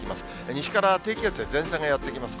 西から低気圧や前線がやって来ます。